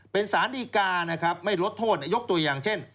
เป็นสารดีกานะครับไม่ลดโทษยกตัวอย่างเช่น